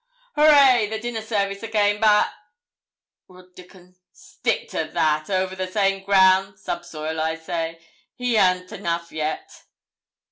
'Hooray! the dinner service again, by ,' roared Dickon. 'Stick to that. Over the same ground subsoil, I say. He han't enough yet.'